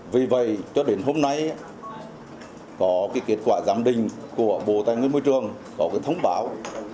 vì vậy cho đến hôm nay có cái kết quả giảm đình của bộ tài nguyên môi trường có cái thông báo